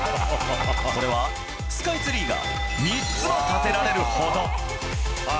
これはスカイツリーが３つも建てられるほど。